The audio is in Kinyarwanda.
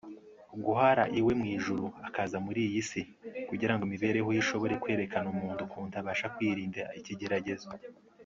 guhara iwe mu ijuru akaza muri iyi si kugira ngo imibereho ye ishobore kwereka umuntu ukuntu abasha kwirinda ikigeragezo